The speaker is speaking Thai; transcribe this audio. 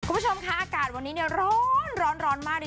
คุณผู้ชมค่ะอากาศวันนี้เนี่ยร้อนร้อนมากเลย